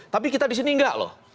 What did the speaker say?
tapi kita di sini enggak loh